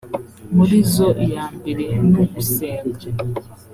muri zo iya mbere ni ugusenga